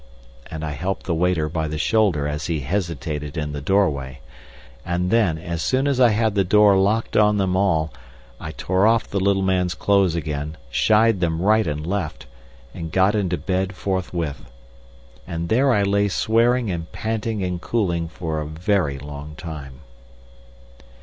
And I helped the waiter by the shoulder as he hesitated in the doorway. And then, as soon as I had the door locked on them all, I tore off the little man's clothes again, shied them right and left, and got into bed forthwith. And there I lay swearing and panting and cooling for a very long time.